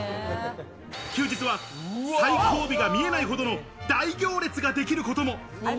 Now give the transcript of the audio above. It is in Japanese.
休日は最後尾が見えないほどの大行列ができることも。